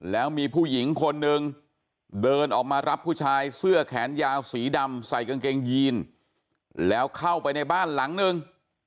แล้วมีผู้หญิงคนนึงเดินออกมารับผู้ชายเสื้อแขนยาวสีดำใส่กางเกงยีนแล้วเข้าไปในบ้านหลังนึง